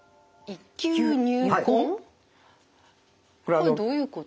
これどういうことですか？